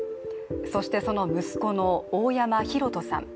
そして、その息子の大山寛人さん。